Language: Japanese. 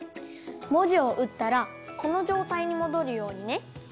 もじをうったらこのじょうたいにもどるようにね。